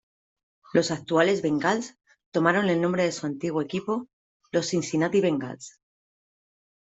Los actuales Bengals tomaron el nombre de su antiguo equipo; los Cincinnati Bengals.